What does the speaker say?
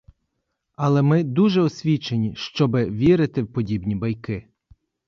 Але ми дуже освічені, щоби вірити в подібні байки.